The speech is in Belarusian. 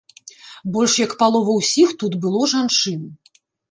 Больш як палова ўсіх тут было жанчын.